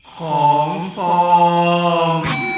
ของฟอง